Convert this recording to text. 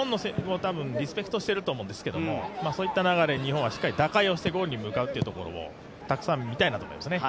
リスペクトしているんですけど、そういった流れ、日本はしっかり打開してゴールに向かうところもたくさん見たいなと思います。